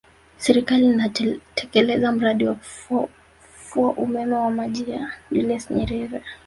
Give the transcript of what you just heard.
Serikali inatekeleza mradi wa kufua umeme wa maji wa Julius Nyerere